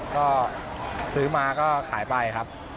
ก็ซื้อมาก็ขายไปครับ